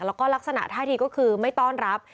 แล้วก็ลักษณะท่าทีก็คือไม่ต้อนรับ